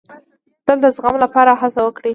تل د زغم لپاره هڅه وکړئ.